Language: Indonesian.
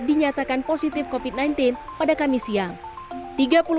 dinyatakan positif covid sembilan belas pada kamis siang